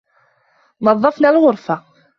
نظّفنا الغرفة.